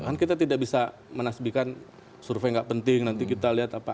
kan kita tidak bisa menasbikan survei nggak penting nanti kita lihat apa